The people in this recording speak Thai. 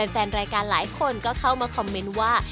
แฟนรายการหลายคนก็เข้ามาคอมเมนต์ว่า